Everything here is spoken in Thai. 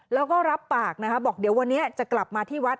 แล้วก็รับปากนะคะบอกเดี๋ยววันนี้จะกลับมาที่วัด